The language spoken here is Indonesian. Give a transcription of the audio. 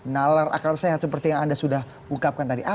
nalar akal sehat seperti yang anda sudah ungkapkan tadi